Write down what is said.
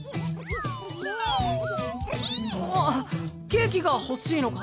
ケーキがほしいのか？